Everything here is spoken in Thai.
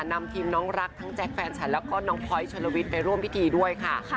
นำทีมน้องรักทั้งแจ๊คแฟนฉันแล้วก็น้องพลอยชนลวิทย์ไปร่วมพิธีด้วยค่ะ